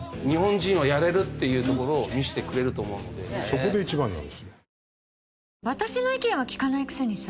そこで１番なんですよ。